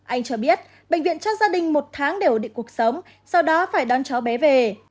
anh cho biết bệnh viện trong gia đình một tháng đều ổn định cuộc sống sau đó phải đón cháu bé về